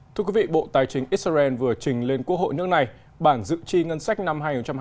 thưa quý vị bộ tài chính israel vừa trình lên quốc hội nước này bản dự chi ngân sách năm hai nghìn hai mươi